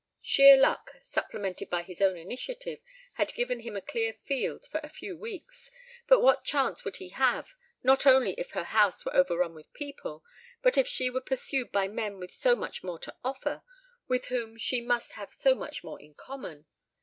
Sheer luck, supplemented by his own initiative, had given him a clear field for a few weeks, but what chance would he have, not only if her house were overrun with people, but if she were pursued by men with so much more to offer, with whom she must have so much more in common?